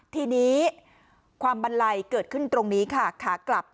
ทีนี้ความบันไลเกิดขึ้นตรงนี้ค่ะขากลับ